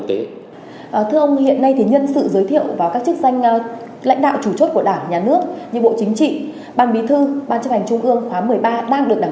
thưa ông hiện nay thì nhân sự giới thiệu vào các chức danh lãnh đạo chủ chốt của đảng nhà nước nhà nước